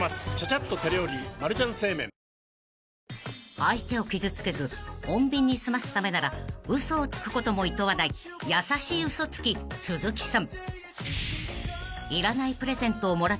［相手を傷つけず穏便に済ますためなら嘘をつくこともいとわない優しい嘘つき鈴木さん］